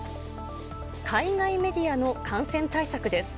海外メディアの感染対策です。